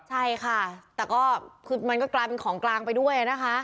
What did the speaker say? ใช่ค่ะแต่ก็คือมันก็กลายเป็นของกลางไปด้วยนะคะ